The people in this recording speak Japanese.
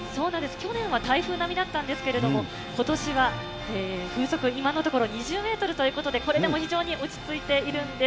去年は台風並みだったんですけれども、ことしは風速、今のところ２０メートルということで、これでも非常に落ち着いているんです。